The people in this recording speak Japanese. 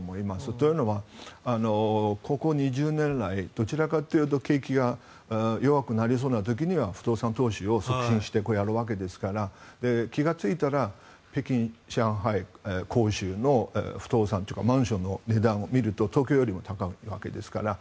というのは、ここ２０年来どちらかというと景気が弱くなりそうな時には不動産投資を促進するわけですから気がついたら北京、上海の不動産というかマンションの値段を見ると東京よりも高いわけですから。